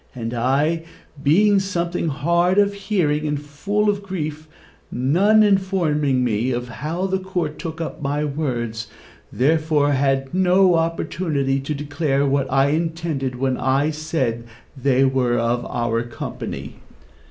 And I, being something hard of hearing and full of grief, none informing me how the court took up my words, therefore had no opportunity to declare what I intended when I said they were of our company."